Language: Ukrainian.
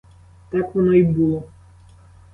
Так воно й було.